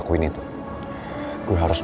gue udah nyampe lo